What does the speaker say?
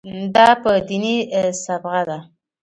دا په دیني صبغه ده.